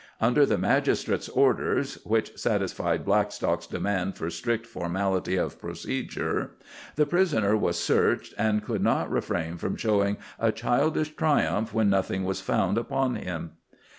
Under the magistrate's orders—which satisfied Blackstock's demand for strict formality of procedure—the prisoner was searched, and could not refrain from showing a childish triumph when nothing was found upon him.